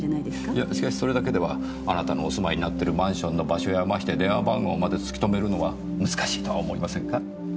いやしかしそれだけではあなたのお住まいになってるマンションの場所やまして電話番号まで突き止めるのは難しいとは思いませんか？